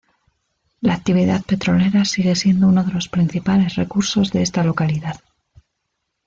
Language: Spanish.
La actividad petrolera sigue siendo uno de los principales recursos de esta localidad.